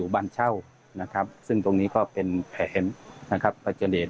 บ้านเช่านะครับซึ่งตรงนี้ก็เป็นแผนนะครับปัจจเดช